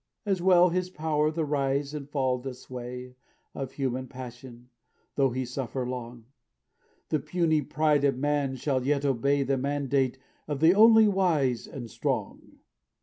"As well His power the rise and fall doth sway Of human passion, tho He suffer long; The puny pride of man shall yet obey The mandate of the Only Wise and Strong.